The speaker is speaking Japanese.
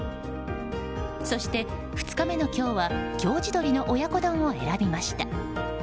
そして、２日目の今日は京地どりの親子丼を選びました。